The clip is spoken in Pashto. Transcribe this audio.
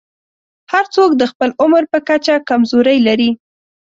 هر څوک د خپل عمر په کچه کمزورۍ لري.